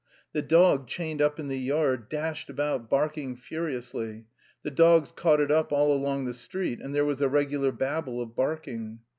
The dog chained up in the yard dashed about barking furiously. The dogs caught it up all along the street, and there was a regular babel of barking.